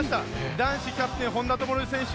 男子キャプテン・本多灯選手。